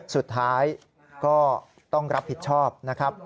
สุดท้ายก็ต้องรับผิดชอบนะครับ